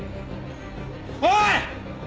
おい！